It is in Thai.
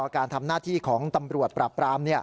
การทำหน้าที่ของตำรวจปราบปราม